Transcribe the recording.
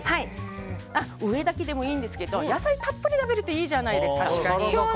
上だけでもいいんですけど野菜たっぷり食べるっていいじゃないですか。